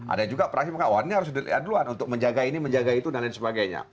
ada juga praksi yang melihat bahwa ini harus delik aduan untuk menjaga ini menjaga itu dan lain sebagainya